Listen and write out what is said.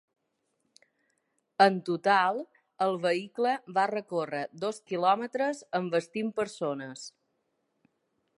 En total, el vehicle va recórrer dos quilòmetres envestint persones.